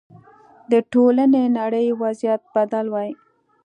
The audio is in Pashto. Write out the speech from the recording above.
د ټولې نړۍ وضعیت بدل وای.